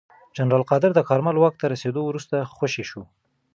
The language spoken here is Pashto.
جنرال قادر د کارمل واک ته رسېدو وروسته خوشې شو.